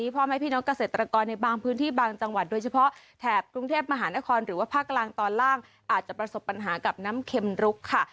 พ่อแม่พี่น้องเกษตรกรในบางพื้นที่บางจังหวัดโดยเฉพาะแถบกรุงเทพมหานครหรือว่าภาคกลางตอนล่างอาจจะประสบปัญหากับน้ำเข็มรุกค่ะ